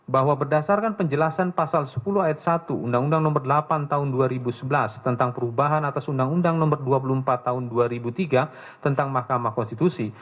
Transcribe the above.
bahwa berdasarkan penjelasan pasal sepuluh ayat satu undang undang nomor delapan tahun dua ribu sebelas tentang perubahan atas undang undang no dua puluh empat tahun dua ribu tiga tentang mahkamah konstitusi